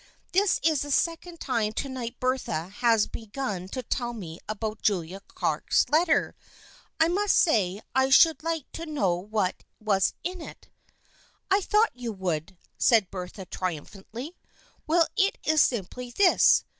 " This is the second time to night Bertha has be gun to tell me about Julia Clark's letter. I must say I should like to know what was in it." " I thought you would," said Bertha trium phantly. " Well, it is simply this.